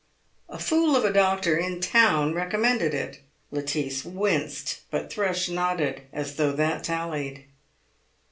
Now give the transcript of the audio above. "A fool of a doctor in town recommended it." Lettice winced, but Thrush nodded as though that tallied.